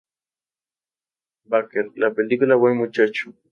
Baker la película "Buen Muchacho!".